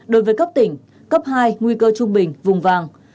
đối với cấp tỉnh cấp hai nguy cơ trung bình vùng vàng